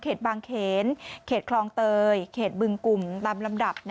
บางเขนเขตคลองเตยเขตบึงกลุ่มตามลำดับ